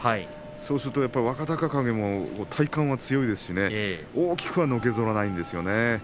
そうするとやっぱり若隆景も体幹は強いですしね大きくはのけぞらないんですよね。